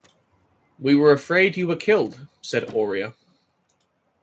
“We were afraid you were killed,” said Oria.